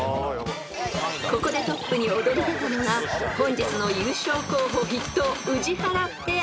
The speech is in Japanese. ［ここでトップに躍り出たのが本日の優勝候補筆頭宇治原ペア］